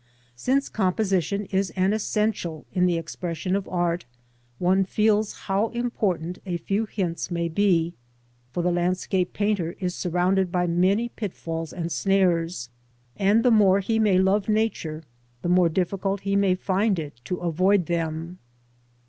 Since composition is an essential in the expression of art, one feels how important a few hints may be, for the landscape painter is surrounded by many pitfalls and snares, and the more he may love Nature the more difficult he may find it to avoid them.